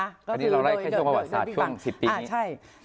อันนี้เราไล่แค่ช่วงประวัติศาสตร์ช่วง๑๐ปีนี้ใช่